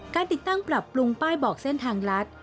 ติดตั้งปรับปรุงป้ายบอกเส้นทางลัด